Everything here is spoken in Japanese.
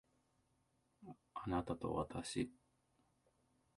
あなたとわたし